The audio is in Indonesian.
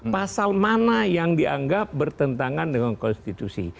pasal mana yang dianggap bertentangan dengan konstitusi